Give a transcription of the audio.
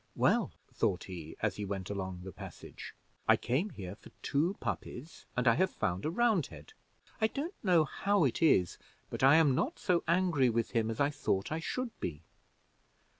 "Well," thought he, as he went along the passage, "I came here for two puppies, and I have found a Roundhead. I don't know how it is, but I am not angry with him as I thought I should be.